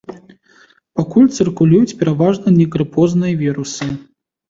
Пакуль цыркулююць пераважна негрыпозныя вірусы.